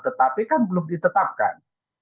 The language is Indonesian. tetapi kan belum ditetapkan